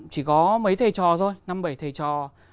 chỉ có mấy thầy trò thôi năm bảy thầy trò